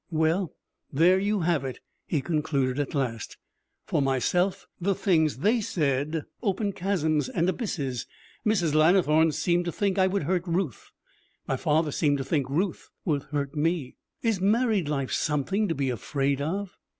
'Well, there you have it,' he concluded at last. 'For myself, the things they said opened chasms and abysses. Mrs. Lannithorne seemed to think I would hurt Ruth. My father seemed to think Ruth would hurt me. Is married life something to be afraid of?